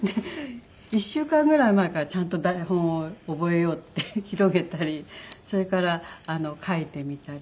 １週間ぐらい前からちゃんと台本を覚えようって広げたりそれから書いてみたり。